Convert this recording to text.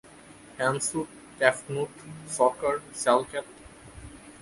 Hemsut, Tefnut, Sokar, সেলকেত।